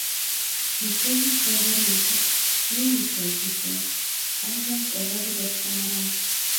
Мыщэжьым хуозэри йолъэӏу: Ей, Мыщэжь, Мыщэжь, къуажэм кӏуэ гъуэгур дэтхэнэра?